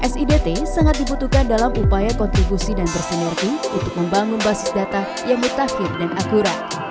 sidt sangat dibutuhkan dalam upaya kontribusi dan bersinergi untuk membangun basis data yang mutakhir dan akurat